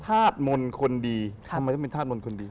ธาตุมนต์คนดีทำไมต้องเป็นธาตุมนต์คนดี